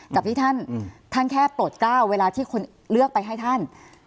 กับที่ท่านแค่โปรดก้าวเวลาที่คนเลือกไปให้ท่าน